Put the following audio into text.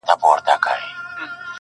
• دا درې جامونـه پـه واوښـتـل.